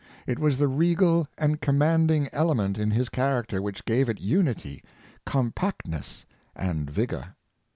It was the regal and commanding element in his char acter which gave it unity, compactness and vigor.